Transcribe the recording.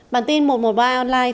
bản tin một trăm một mươi ba online